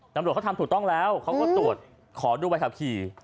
ตำรวจเขาทำถูกต้องแล้วเขาก็ตรวจขอดูใบขับขี่